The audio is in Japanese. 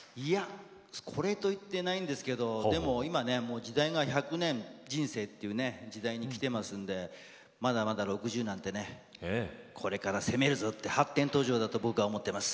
これといってないんですけれども、今は時代が１００年人生という時代にきていますのでまだまだ６０になってこれから攻めるぞと発展途上だと僕は思っています。